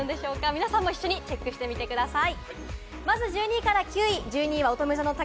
皆さんも一緒にチェックしてみてください。